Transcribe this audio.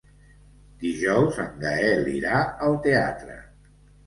Dijous en Gaël irà al teatre.